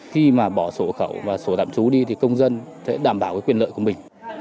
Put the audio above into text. khi mà bỏ sổ khẩu và sổ tạm trú đi thì công dân sẽ đảm bảo quyền lợi của mình